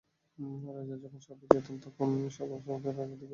রাজা যখন সভায় যেতেন, তখন সভাসদেরা রাজার দিকে তাকিয়ে মুচকি মুচকি হাসতেন।